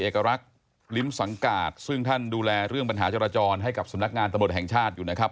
เอกลักษณ์ลิ้มสังกาศซึ่งท่านดูแลเรื่องปัญหาจราจรให้กับสำนักงานตำรวจแห่งชาติอยู่นะครับ